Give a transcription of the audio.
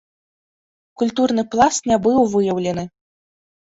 Культурны пласт не быў выяўлены.